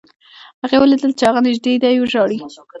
هغې ولیدل چې هغه نږدې دی وژاړي